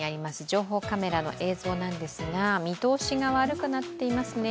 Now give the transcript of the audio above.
情報カメラの映像なんですが見通しが悪くなっていますね。